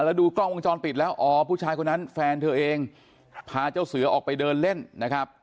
แล้วดูกล้องวงจรปิดแล้วอ๋อผู้ชายคนนั้นแฟนเธอเองพาเจ้าเสือออกไปเดินเล่นนะครับ